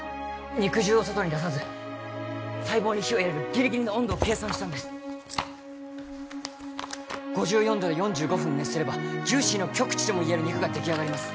肉汁を外に出さず細胞に火を入れるギリギリの温度を計算したんです５４度で４５分熱すればジューシーの極致ともいえる肉が出来上がります